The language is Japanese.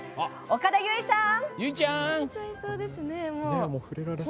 岡田結実さん！